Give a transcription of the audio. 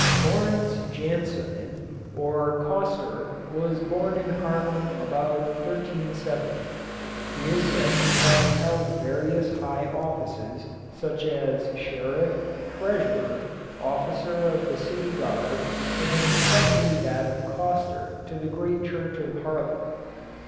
Laurenz Janssoen, or Coster, was born in Haarlem about 1370. He is said to have held various high offices, such as sheriff, treasurer, officer of the city guard, and especially that of Coster to the great church of Haarlem.